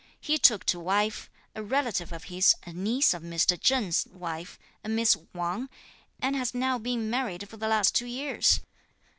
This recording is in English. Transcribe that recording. He took to wife a relative of his, a niece of Mr. Cheng's wife, a Miss Wang, and has now been married for the last two years.